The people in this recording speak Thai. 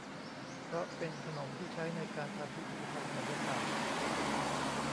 เพราะเป็นขนมที่ใช้ในการทำพิธีทางไสยศาสตร์